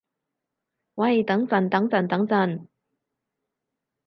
喂等陣等陣等陣